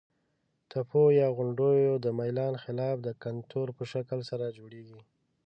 تپو یا غونډیو د میلان خلاف د کنتور په شکل سره جوړیږي.